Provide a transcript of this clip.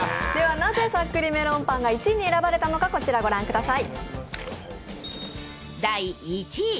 なぜサックリメロンパンが１位に選ばれたのか、こちら、ご覧ください。